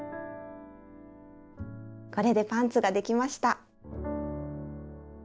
これでパンツができました。